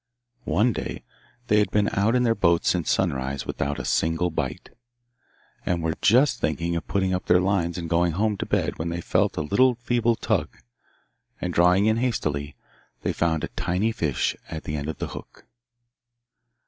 One day they had been out in their boat since sunrise without a single bite, and were just thinking of putting up their lines and going home to bed when they felt a little feeble tug, and, drawing in hastily, they found a tiny fish at the end of the hook.